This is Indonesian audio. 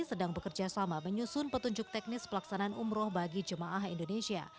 sedang bekerja sama menyusun petunjuk teknis pelaksanaan umroh bagi jemaah indonesia